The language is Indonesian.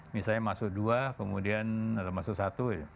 misalnya masuk dua kemudian ada masuk satu